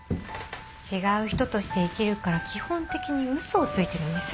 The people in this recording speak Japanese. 違う人として生きるから基本的に嘘をついてるんです。